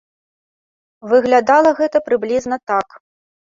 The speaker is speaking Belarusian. Выглядала гэта прыблізна так.